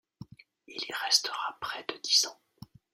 Il y restera près de dix ans.